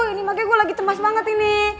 ini makanya gue lagi cemas banget ini